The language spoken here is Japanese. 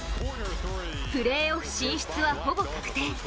プレーオフ進出はほぼ確定。